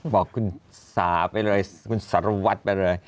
บอกคุณสาไปเลยคุณสารวัตรไปเลย